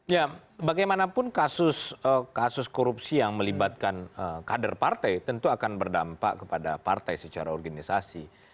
ya bagaimanapun kasus korupsi yang melibatkan kader partai tentu akan berdampak kepada partai secara organisasi